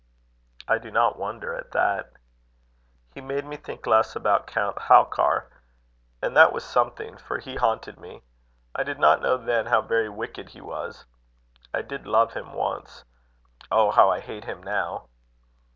"I do not wonder at that." "He made me think less about Count Halkar; and that was something, for he haunted me. I did not know then how very wicked he was. I did love him once. Oh, how I hate him now!"